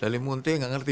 salim munti enggak ngerti